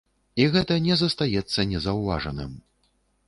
І гэта не застаецца незаўважаным.